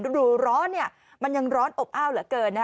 ดูร้อนมันยังร้อนอบอ้าวเหลือเกิน